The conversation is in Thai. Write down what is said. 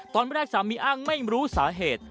สามีอ้างไม่รู้สาเหตุ